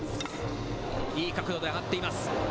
いい角度で上がっています。